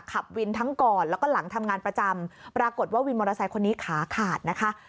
ขับวินทั้งก่อนแล้วก็หลังทำงานประจำปรากฏว่าวินมอเตอร์ไซค์คนนี้ขาขาดนะคะ